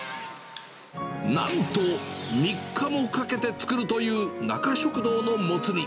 なんと、３日もかけて作るという、なか食堂のもつ煮。